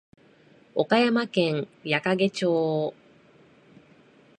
岡山県矢掛町